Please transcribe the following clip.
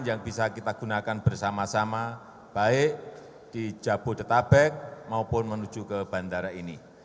yang bisa kita gunakan bersama sama baik di jabodetabek maupun menuju ke bandara ini